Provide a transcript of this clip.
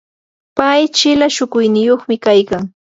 pay chila shukuyniyuqmi kaykan.